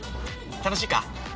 楽しいか？